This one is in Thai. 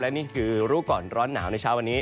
นี่คือรู้ก่อนร้อนหนาวในเช้าวันนี้